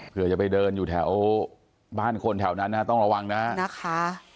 เพื่อจะไปเดินอยู่แถวบ้านคนแถวนั้นนะฮะต้องระวังนะนะคะ